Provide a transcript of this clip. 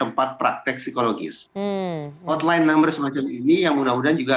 upa korporasi perigoro di luar negara maksudnya membeli belah chapurdin indonesia anys values budget khusus